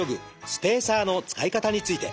スペーサーの使い方について。